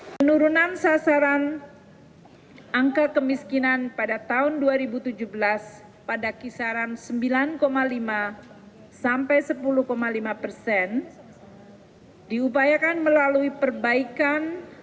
penurunan sasaran angka kemiskinan pada tahun dua ribu tujuh belas pada kisaran sembilan lima sampai sepuluh lima persen diupayakan melalui perbaikan